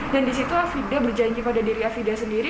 dan di situ afida berjanji pada diri afida sendiri